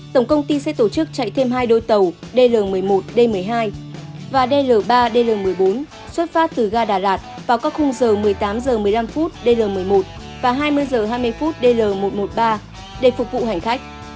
tổng công ty sẽ tổ chức chạy thêm hai đôi tàu dl một mươi một d một mươi hai và dl ba dl một mươi bốn xuất phát từ ga đà lạt vào các khung giờ một mươi tám h một mươi năm dl một mươi một và hai mươi h hai mươi dl một trăm một mươi ba để phục vụ hành khách